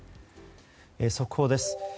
速報です。